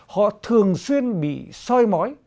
họ thường xuyên bị soi mói